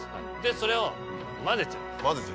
それを混ぜちゃいます。